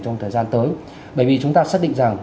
trong thời gian tới bởi vì chúng ta xác định rằng